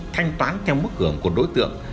thanh toán theo mức hưởng của đối tượng